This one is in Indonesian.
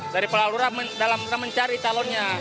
dari pelaluran dalam mencari calonnya